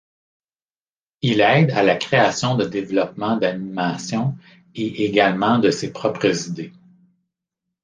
Il aide à la création de développement d'animation et également de ses propres idées.